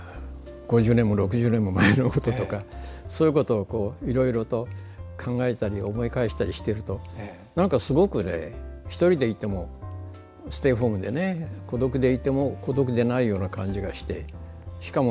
自分自身で５０年も６０年もそういうことをいろいろと考えてたり思い返したりしていると１人でいてもステイホームで孤独でいても孤独じゃないような感じがして。